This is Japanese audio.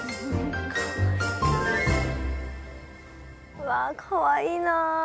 うわかわいいな！